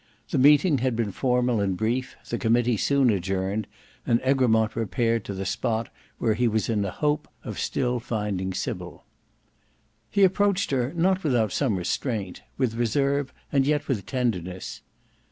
The meeting had been formal and brief, the committee soon adjourned, and Egremont repaired to the spot where he was in the hope of still finding Sybil. He approached her not without some restraint; with reserve and yet with tenderness.